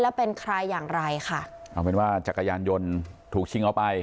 แล้วเป็นใครอย่างไรค่ะเอาเป็นว่าจักรยานยนต์ถูกชิงเอาไป